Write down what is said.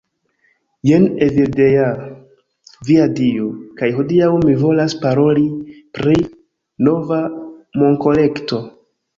Jen Evildea. Via Dio. kaj hodiaŭ mi volas paroli pri nova monkolekto